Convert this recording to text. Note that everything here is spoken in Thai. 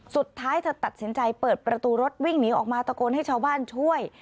สุดท้ายเธอตัดสินใจเปิดประตูรถวิ่งหนีออกมาตะโกนให้ชาวบ้านช่วย